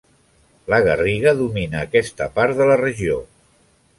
La garriga domina aquesta part de la regió.